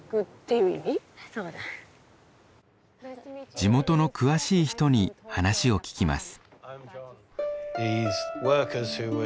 地元の詳しい人に話を聞きます。